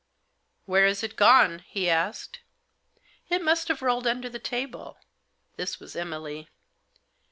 " Where's it gone ?" he asked. " It must have rolled under the table." This was Emily.